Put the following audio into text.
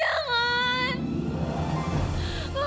bapak jangan pak